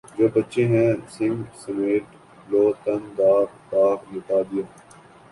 جو بچے ہیں سنگ سمیٹ لو تن داغ داغ لٹا دیا